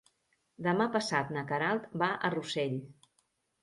Demà passat na Queralt va a Rossell.